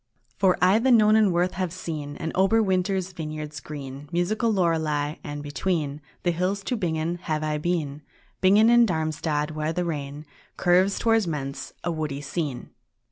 II For I the Nonnenwerth have seen, And Oberwinter's vineyards green, Musical Lurlei; and between The hills to Bingen have I been, Bingen in Darmstadt, where the Rhene Curves towards Mentz, a woody scene.